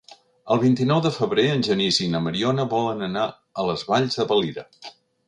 El vint-i-nou de febrer en Genís i na Mariona volen anar a les Valls de Valira.